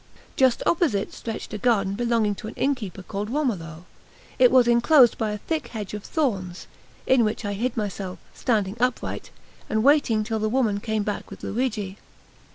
Just opposite stretched a garden belonging to an innkeeper called Romolo. It was enclosed by a thick hedge of thorns, in which I hid myself, standing upright, and waiting till the woman came back with Luigi.